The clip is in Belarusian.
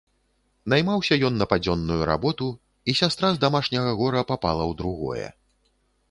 Наймаўся ён на падзённую работу, і сястра з дамашняга гора папала ў другое.